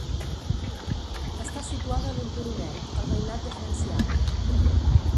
Està situada en un turonet, al veïnat de Franciac.